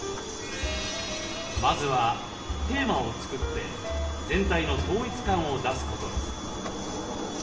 まずはテーマを作って全体の統一感を出すことです。